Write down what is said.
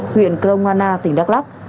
huyện công an a tỉnh đắk lắc